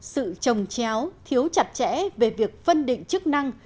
sự trồng chéo thiếu chặt chẽ về việc phân định chức năng